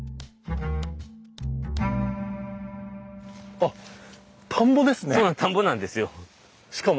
あっ田んぼですね。